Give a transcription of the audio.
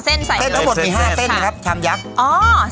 เส้นทั้งหมดมี๕เส้นนะครับชามยักษ์